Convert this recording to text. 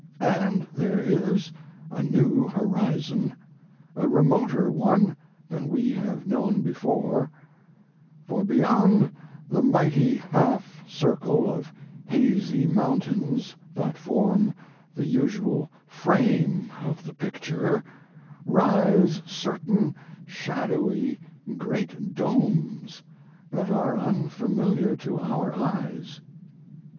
And there is a new horizon, a remoter one than we have known before, for beyond the mighty half circle of hazy mountains that form the usual frame of the picture rise certain shadowy great domes that are unfamiliar to our eyes....